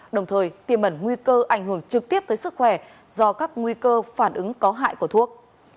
đồng thời tiềm ẩn nguy cơ ảnh hưởng trực tiếp tới sức khỏe do các nguy cơ phản ứng có hại của thuốc